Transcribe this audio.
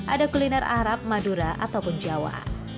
ada kuliner arab madura ataupun jawa